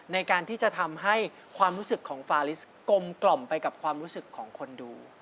ในการที่จะทำให้ความรู้สึกของฟาลิสกลมกล่อมไปกับความรู้สึกของคนดู